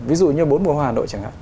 ví dụ như bốn mùa hà nội chẳng hạn